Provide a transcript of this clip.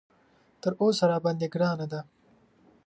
تر اوسه راباندې ګرانه ده.